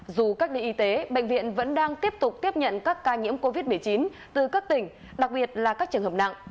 dù cách đi y tế bệnh viện vẫn đang tiếp tục tiếp nhận các ca nhiễm covid một mươi chín từ các tỉnh đặc biệt là các trường hợp nặng